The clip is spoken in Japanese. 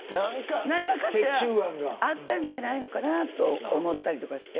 何かあったんじゃないのかなと思ったりして。